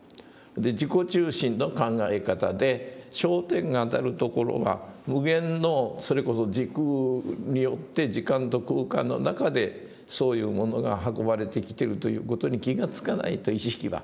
自己中心の考え方で焦点が当たるところは無限のそれこそ時空によって時間と空間の中でそういうものが運ばれてきてるという事に気がつかないと意識は。